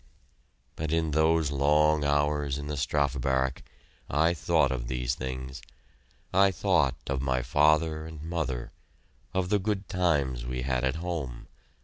But in those long hours in the Strafe Barrack I thought of these things: I thought of my father and mother... of the good times we had at home...